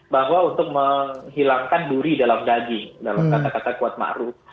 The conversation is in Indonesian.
bahwa untuk menghilangkan duri dalam daging dalam kata kata kuat ma'ruf